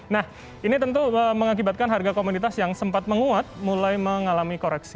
nah ini tentu mengakibatkan harga komoditas yang sempat menguat mulai mengalami koreksi